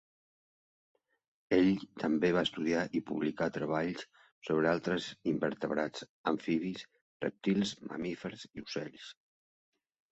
Ell també va estudiar i publicar treballs sobre altres invertebrats, amfibis, rèptils, mamífers i ocells.